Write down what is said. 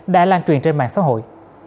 đã lan truyền trên mạng xã hội